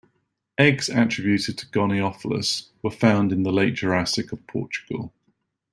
Eggs attributed to "Goniopholis" were found in the Late Jurassic of Portugal.